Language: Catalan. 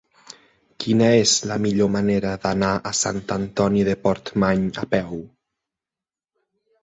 Quina és la millor manera d'anar a Sant Antoni de Portmany a peu?